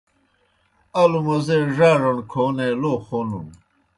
الوْ موزے ڙاڙݨ کھونے لو خونُن۔